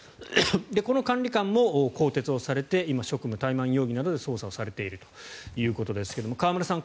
この管理官も更迭をされて今、職務怠慢容疑などで捜査をされているということですけども河村さん